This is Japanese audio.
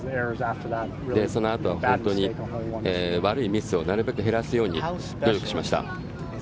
そのあと、本当に悪いミスをなるべく減らすように努力しました。